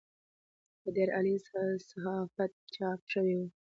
په ډېر عالي صحافت چاپ شوې وه.